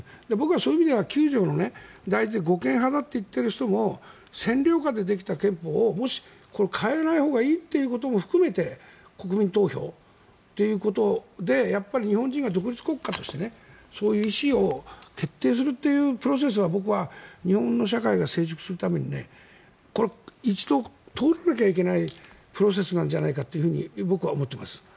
そういう意味では９条は大事だと、護憲派だといっている人たちも占領下でできた憲法を変えないほうがいいということも含めて国民投票ということで日本人が独立国家としてそういう意思を徹底するというプロセスは日本の社会が成熟するために１度通らなきゃいけないプロセスなんじゃないかと僕は思っています。